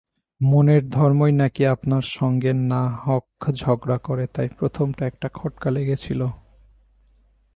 মনের ধর্মই নাকি আপনার সঙ্গে না-হক ঝগড়া করা, তাই প্রথমটা একটা খটকা লেগেছিল।